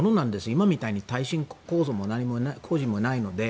今みたいに耐震構造も何もないので。